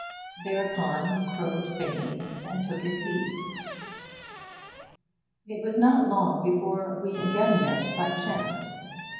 Thereupon he crowed faintly and took his leave. It was not long before we again met by chance.